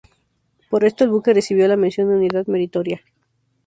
Por esto el buque recibió la Mención de Unidad Meritoria.